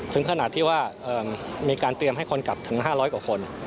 ถึงขนาดที่ว่ามีการเตรียมให้คนกลับถึง๕๐๐กว่าคน